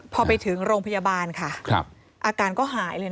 พอไปถึงโรงพยาบาลค่ะอาการก็หายเลย